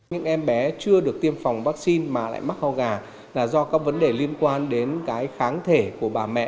những em bé chưa được tiêm phòng vaccine mà lại mắc ho gà là do các vấn đề liên quan đến cái kháng thể của bà mẹ